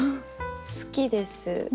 好きです。